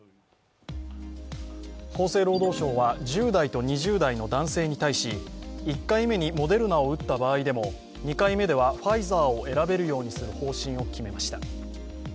厚生労働省は１０代と２０代の男性に対し１回目にモデルナを打った場合でも２回目ではファイザーを選べるようにする方針を決めました。